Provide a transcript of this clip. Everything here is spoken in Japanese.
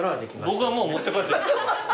僕はもう持って帰って。